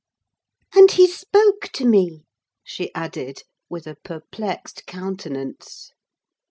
"And he spoke to me," she added, with a perplexed countenance.